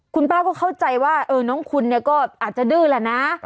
คุณป้าก็เข้าใจว่าเออน้องคุณก็อาจจะดื้อแล้วนะ